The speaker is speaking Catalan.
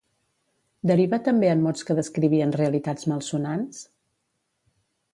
Deriva també en mots que descrivien realitats malsonants?